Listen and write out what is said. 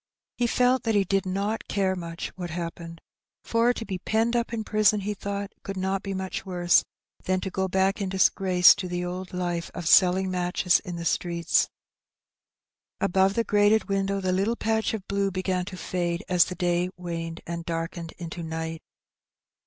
He felt that he did not carQ much what happened, for to be penned up in prison, he thought, could not be much worse than to go back in disgrace to the old life of selling matches in the streets. Above the grated window the little patch of blue began to fade as the day waned and darkened into night.